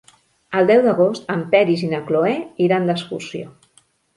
El deu d'agost en Peris i na Cloè iran d'excursió.